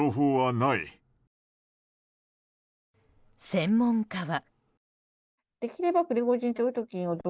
専門家は。